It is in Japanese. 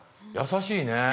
優しいね。